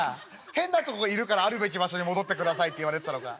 変なとこいるからあるべき場所に戻ってくださいって言われてたのか」。